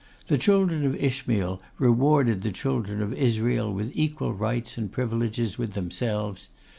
The children of Ishmael rewarded the children of Israel with equal rights and privileges with themselves.